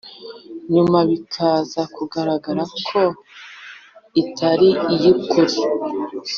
nyuma bikaza kugaragara ko itari iy’ukuri.